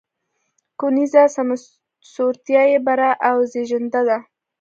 کرنیزه سمسورتیا یې بره او زېږنده ده.